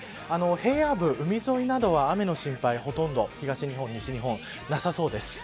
平野部、海沿いなどは雨の心配はほとんど東日本、西日本、なさそうです。